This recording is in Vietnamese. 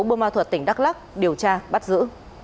bô ma thuật tỉnh đắk lắc điều tra bắt giữ